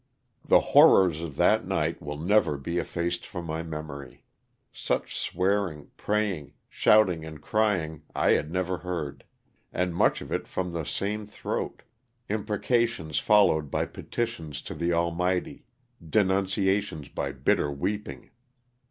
The horrors of that night will never be effaced from my memory — such swearing, praying, shouting and crying I had never heard ; and much of it from the same throat — imprecations followed by petitions to the Almighty, denunciations by bitter weeping.